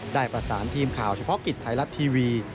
ได้ประสานทีมข่าวเฉพาะกิจไทยรัฐทีวี